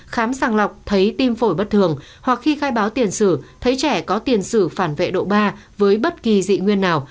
khám sàng lọc thấy tiêm phổi bất thường hoặc khi khai báo tiền xử thấy trẻ có tiền xử phản vệ độ ba với bất kỳ dị nguyên nào